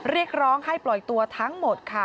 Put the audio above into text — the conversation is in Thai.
เรียกร้องให้ปล่อยตัวทั้งหมดค่ะ